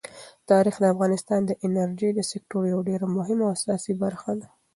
تاریخ د افغانستان د انرژۍ د سکتور یوه ډېره مهمه او اساسي برخه ده.